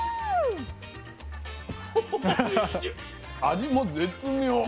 味も絶妙。